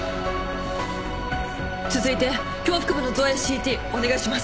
続いて胸腹部の造影ＣＴお願いします。